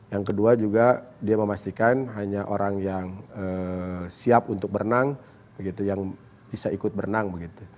yang kedua juga dia memastikan hanya orang yang siap untuk berenang begitu yang bisa ikut berenang begitu